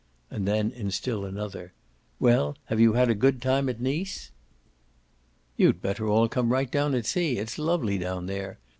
And then in still another: "Well, have you had a good time at Nice?" "You'd better all come right down and see. It's lovely down there.